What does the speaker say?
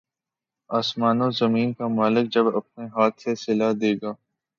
آسمان و زمین کا مالک جب اپنے ہاتھ سے صلہ دے گا